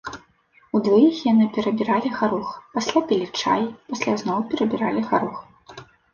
Удваіх яны перабіралі гарох, пасля пілі чай, пасля зноў перабіралі гарох.